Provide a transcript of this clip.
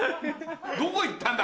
どこ行ったんだ？